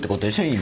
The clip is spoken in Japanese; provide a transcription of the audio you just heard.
今。